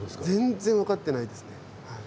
全然分かってないですね。